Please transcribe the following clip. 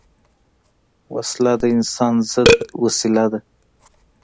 وسله د انسان ضد وسیله ده